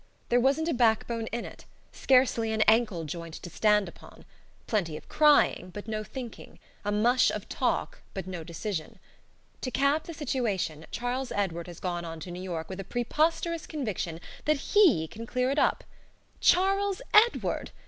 There wasn't a back bone in it, scarcely an ankle joint to stand upon: plenty of crying, but no thinking; a mush of talk, but no decision. To cap the situation, Charles Edward has gone on to New York with a preposterous conviction that HE can clear it up.... CHARLES EDWARD!